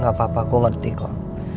gak apa apa kok ngerti kok